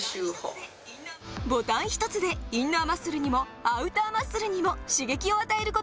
ボタン１つでインナーマッスルにもアウターマッスルにも刺激を与える事が可能です。